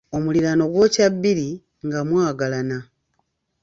Omuliraano gwokya bbiri nga mwagalana.